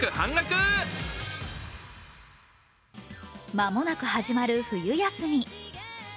間もなく始まる冬休み。